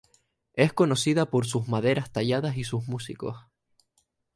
Es conocida por sus maderas talladas y sus músicos.